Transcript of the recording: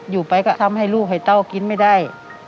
อยู่ไปก็ทำให้ลูกให้เต้ากินไม่ได้